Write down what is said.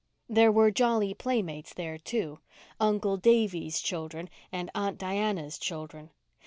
There were jolly playmates there, too—"Uncle" Davy's children and "Aunt" Diana's children.